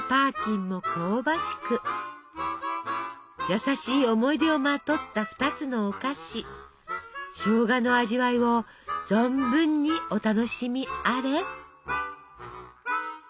優しい思い出をまとった２つのお菓子しょうがの味わいを存分にお楽しみあれ！